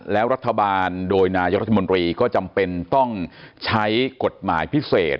แล้วรัฐบาลโดยนายกรัฐมนตรีก็จำเป็นต้องใช้กฎหมายพิเศษ